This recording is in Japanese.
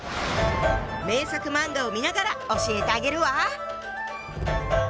名作漫画を見ながら教えてあげるわ！